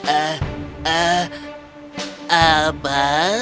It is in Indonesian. eh eh apa